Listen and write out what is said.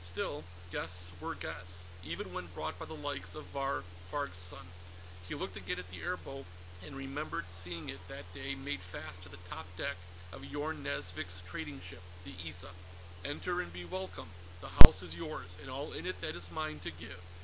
Still, guests were guests, even when brought by the likes of Vahr Farg's son. He looked again at the airboat, and remembered seeing it, that day, made fast to the top deck of Yorn Nazvik's trading ship, the Issa. "Enter and be welcome; the house is yours, and all in it that is mine to give."